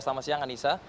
selamat siang anissa